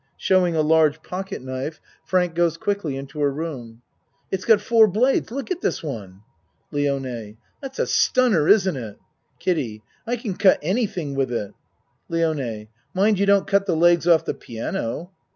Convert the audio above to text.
(Showing a large pocket knife. 96 A MAN'S WORLD Frank goes quickly into her room.) It's got four blades. Look at this one. LIONE That's a stunner isn't it? KIDDIE I can cut anything with it. LIONE Mind you don't cut the legs off the piano.